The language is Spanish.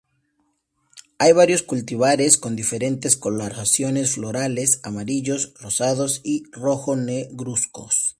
Hay varios cultivares, con diferentes coloraciones florales: amarillos, rosados y rojo negruzcos.